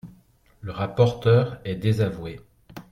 Le rapporteur est désavoué.